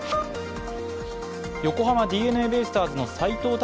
横浜ＤｅＮＡベイスターズの斎藤隆